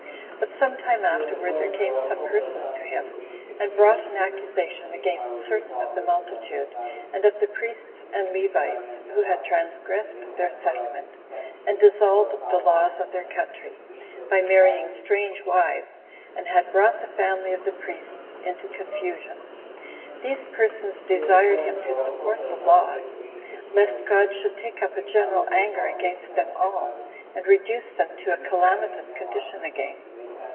But some time afterward there came some persons to him, and brought an accusation against certain of the multitude, and of the priests and Levites, who had transgressed their settlement, and dissolved the laws of their country, by marrying strange wives, and had brought the family of the priests into confusion. These persons desired him to support the laws, lest God should take up a general anger against them all, and reduce them to a calamitous condition again.